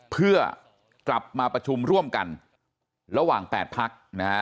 เพื่อกลับมาประชุมร่วมกันระหว่าง๘พักนะฮะ